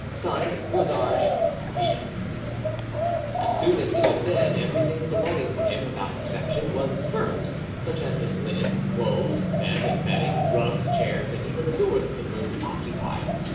"(Signed) ROSARGES. "REILH." As soon as he was dead everything belonging to him, without exception, was burned; such as his linen, clothes, bed and bedding, rugs, chairs, and even the doors of the room he occupied.